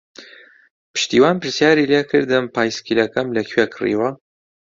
پشتیوان پرسیاری لێ کردم پایسکلەکەم لەکوێ کڕیوە.